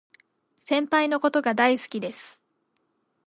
先輩のことが大好きです